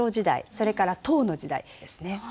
それから唐の時代ですね。